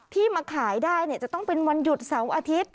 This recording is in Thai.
ที่มาขายได้จะต้องเป็นวันหยุดเสาร์อาทิตย์